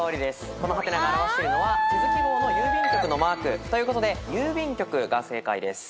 このハテナが表してるのは地図記号の郵便局のマーク。ということで「郵便局」が正解です。